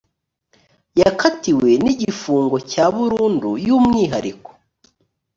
yakatiwe n’icy’igifungo cya burundu y’umwihariko